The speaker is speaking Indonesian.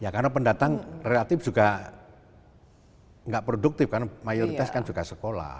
ya karena pendatang relatif juga nggak produktif karena mayoritas kan juga sekolah